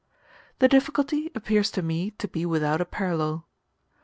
The difficulty appears to me to be without a parallel.